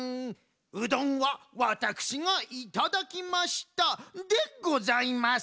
うどんはワタクシがいただきましたでございます。